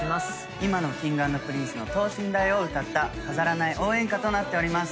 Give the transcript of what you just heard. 今のＫｉｎｇ＆Ｐｒｉｎｃｅの等身大を歌った飾らない応援歌となっております。